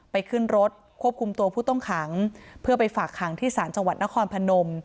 ขึ้นรถควบคุมตัวผู้ต้องขังเพื่อไปฝากขังที่ศาลจังหวัดนครพนม